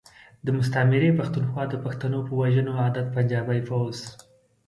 د مستعمرې پختونخوا د پښتنو په وژنو عادت پنجابی فوځ.